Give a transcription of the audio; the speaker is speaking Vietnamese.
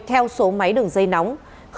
theo số máy đường dây nóng